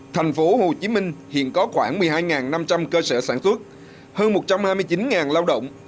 thành phố hồ chí minh hiện có khoảng một mươi hai năm trăm linh cơ sở sản xuất hơn một trăm hai mươi chín lao động